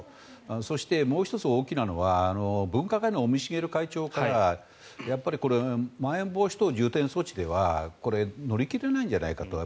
そして、もう１つ大きいのは分科会の尾身茂会長からやっぱりまん延防止等重点措置では乗り切れないんじゃないかと。